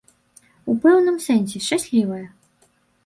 У пэўным сэнсе, шчаслівае.